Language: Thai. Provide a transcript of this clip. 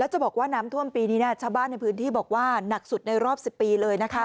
จะบอกว่าน้ำท่วมปีนี้ชาวบ้านในพื้นที่บอกว่าหนักสุดในรอบ๑๐ปีเลยนะคะ